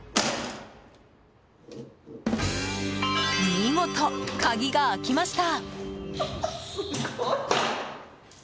見事、鍵が開きました。